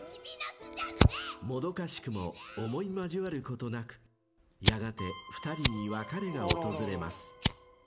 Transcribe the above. ［もどかしくも思い交わることなくやがて２人に別れが訪れます］